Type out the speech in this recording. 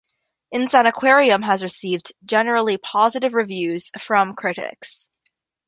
Insaniquarium has received generally positive reviews from critics.